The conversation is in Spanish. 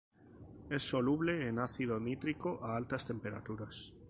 Es soluble en ácido nítrico a altas temperaturas.